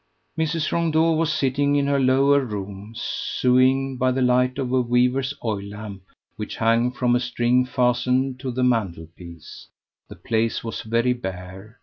Mrs. Rondeau was sitting in her lower room, sewing by the light of a weaver's oil lamp which hung from a string fastened to the mantel piece. The place was very bare.